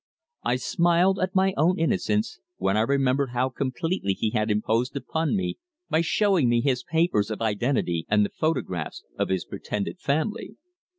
I smiled at my own innocence when I remembered how completely he had imposed upon me by showing me his papers of identity, and the photographs of his pretended family.